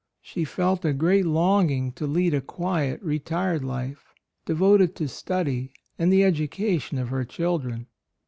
She felt a great longing to lead a quiet, retired life, devoted to study and the education of her children.